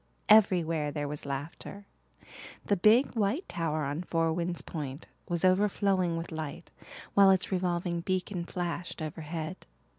Everywhere there was laughter. The big white tower on Four Winds Point was overflowing with light, while its revolving beacon flashed overhead.